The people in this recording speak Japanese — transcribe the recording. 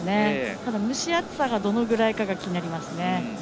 ただ、蒸し暑さがどのぐらいかが気になりますね。